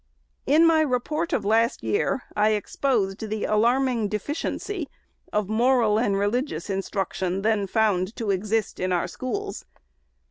In my Report of last year, I exposed the alarming defi ciency of moral and religious instruction then found to exist in our schools.